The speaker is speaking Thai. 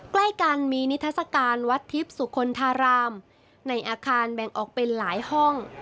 ใกล้กันมีนิทัศกาลวัดทิพย์สุคลธารามในอาคารแบ่งออกเป็นหลายห้อง